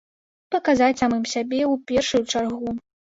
Паказаць самым сабе ў першую чаргу.